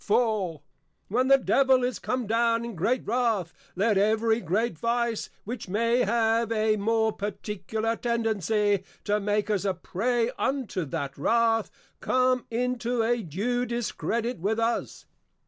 IV. When the Devil is come down in great Wrath, let every great Vice which may have a more particular tendency to make us a Prey unto that Wrath, come into a due discredit with us.